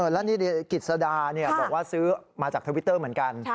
แล้วนี่กิจสดาบอกว่าซื้อมาจากทวิตเตอร์เหมือนกัน